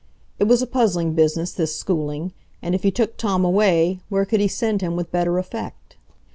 It was a puzzling business, this schooling; and if he took Tom away, where could he send him with better effect?